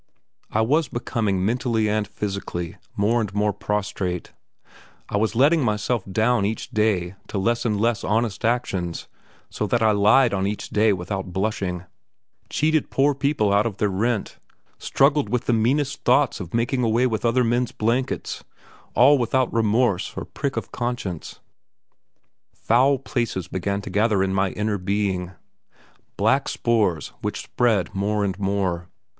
I was becoming mentally and physically more and more prostrate; I was letting myself down each day to less and less honest actions, so that I lied on each day without blushing, cheated poor people out of their rent, struggled with the meanest thoughts of making away with other men's blankets all without remorse or prick of conscience. Foul places began to gather in my inner being, black spores which spread more and more.